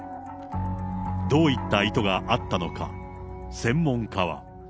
どういった意図があったのか、専門家は。